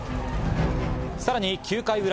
さらに９回裏。